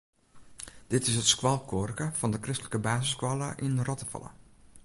Dit is it skoalkoarke fan de kristlike basisskoalle yn Rottefalle.